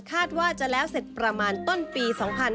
คาดว่าจะแล้วเสร็จประมาณต้นปี๒๕๕๙